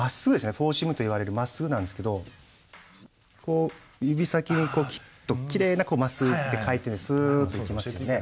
フォーシームといわれるまっすぐなんですけどこう指先にきれいなまっすぐって回転でスッといきますよね。